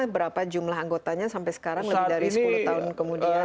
berapa jumlah anggotanya sampai sekarang lebih dari sepuluh tahun kemudian